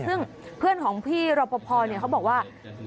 ซึ่งเพื่อนของพี่รอปภเขาบอกว่า